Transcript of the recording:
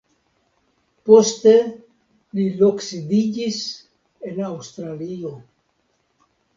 Pli poste li loksidiĝis en Aŭstralio.